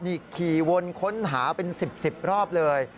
นี่ขี่วนค้นหาเป็น๑๐๑๐รอบเลย